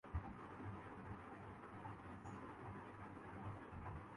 جب سیاست دانوں کے ساتھ عوام کا عملی تعلق ہو گا۔